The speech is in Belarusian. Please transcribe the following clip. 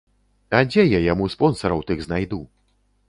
А дзе я яму спонсараў тых знайду?!